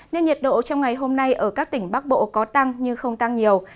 nên nhiệt độ trong ngày hôm nay ở các tỉnh bắc bộ có tăng nhưng không tăng nhiều